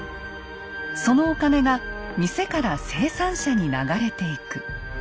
そのお金が店から生産者に流れていく。